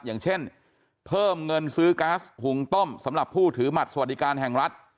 อย่างเช่นเพิ่มเงินซื้อก๊าซหุงต้มสำหรับผู้ถือบัตรสวัสดิการแห่งรัฐ